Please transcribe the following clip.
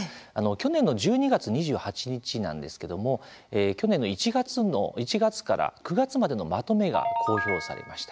昨年の１２月２８日なんですけども去年の１月から９月までのまとめが公表されました。